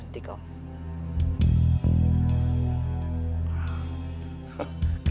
oh ini jadi rekan rekan dit